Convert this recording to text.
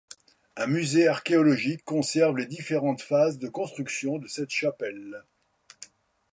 Un musée archéologique conserve les différentes phases de construction de cette chapelle.